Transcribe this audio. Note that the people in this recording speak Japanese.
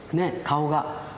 顔が。